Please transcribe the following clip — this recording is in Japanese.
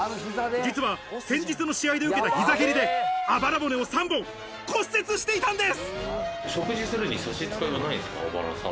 実は先日の試合で受けた、ひざ蹴りで肋骨を３本骨折してきたんです。